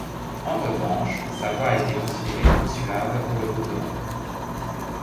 En revanche, sa voix a été considérée trop suave pour le groupe de rock.